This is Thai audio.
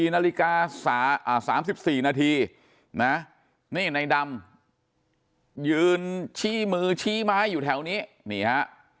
นาฬิกา๓๔นาทีนะนี่ในดำยืนชี้มือชี้ไม้อยู่แถวนี้นี่ฮะ